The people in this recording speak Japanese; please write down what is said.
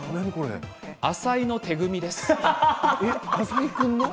浅井の手グミです。